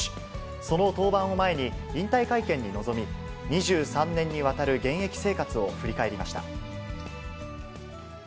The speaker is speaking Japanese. その登板を前に、引退会見に臨み、２３年にわたる現役生活を振り返りました。